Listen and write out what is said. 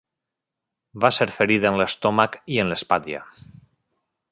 Va ser ferit en l'estómac i en l'espatlla.